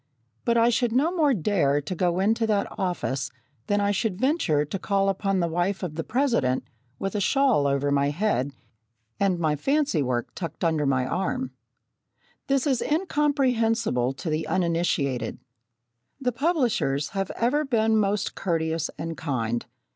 But I should no more dare to go into that office than I should venture to call upon the wife of the President with a shawl over my head, and my fancywork tucked under my arm. This is incomprehensible to the uninitiated. The publishers have ever been most courteous and kind.